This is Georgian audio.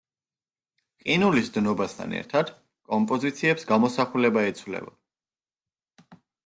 ყინულის დნობასთან ერთად კომპოზიციებს გამოსახულება ეცვლება.